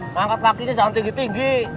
ngangkat lakinya jangan tinggi tinggi